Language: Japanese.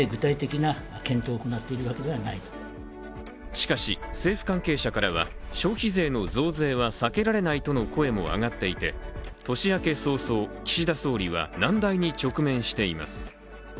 しかし政府関係者からは消費税の増税は避けられないとの声も上がっていて年明け早々、岸田総理は難題に直面しています。